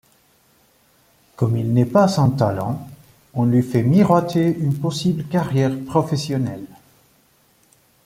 Comme il n'est pas sans talent, on lui fait miroiter une possible carrière professionnelle.